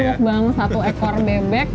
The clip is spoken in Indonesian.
kita mukbang satu ekor bebek